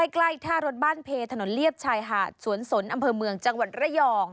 ใกล้ท่ารถบ้านเพถนนเลียบชายหาดสวนสนอำเภอเมืองจังหวัดระยอง